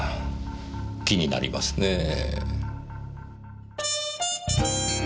気になりますねえ。